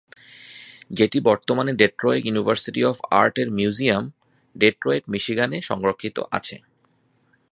যেটি বর্তমানে Detroit Institute of Art এর মিউজিয়াম, ডেট্রয়েট, মিশিগান এ সংরক্ষিত আছে।